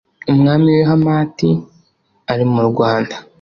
Umwami w i Hamati ari murwanda